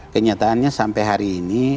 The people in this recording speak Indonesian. kenyataannya sampai hari ini